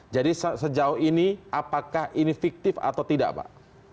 jadi sejauh ini apakah ini fiktif atau tidak pak